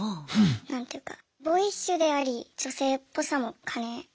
何ていうかボーイッシュであり女性っぽさも兼ね備えていて。